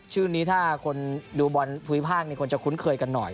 ชื่อนี้ถ้าคนดูบอลภูมิภาคควรจะคุ้นเคยกันหน่อย